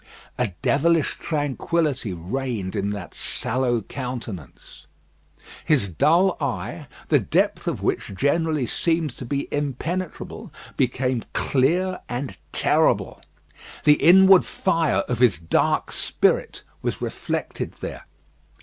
A devilish tranquillity reigned in that sallow countenance. His dull eye, the depth of which generally seemed to be impenetrable, became clear and terrible. The inward fire of his dark spirit was reflected there.